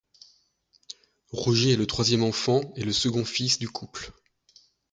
Roger est le troisième enfant et le second fils du couple.